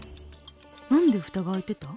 何で蓋が開いてた？